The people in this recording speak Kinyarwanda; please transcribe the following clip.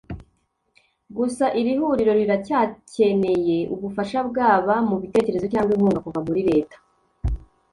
Gusa iri huriro riracyacyeneye ubufasha bwaba mu bitekerezo cyangwa inkunga kuva muri leta